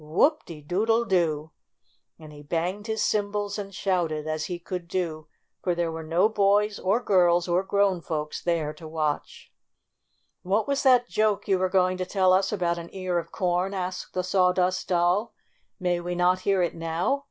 Whoop de doodle do!" and he banged his cymbals and shouted, as he could do, for there were no boys or girls or grown folks there to watch. "What was that joke you were going to tell us about an ear of corn?" asked the THE LITTLE GIRL 35 Sawdust Doll. ' 6 May we not hear it now